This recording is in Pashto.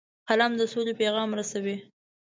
قلم د سولې پیغام رسوي